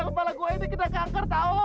kepala gue ini kena kanker tahu